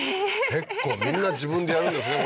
結構みんな自分でやるんですね